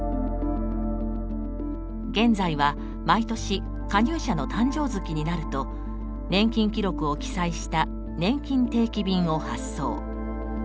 現在は毎年加入者の誕生月になると年金記録を記載したねんきん定期便を発送。